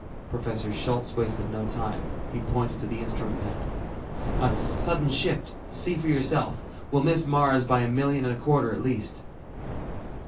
Professor Schultz wasted no time, he pointed to the instrument panel. "A sudden shift, see for yourself. We'll miss Mars by a million and a quarter at least."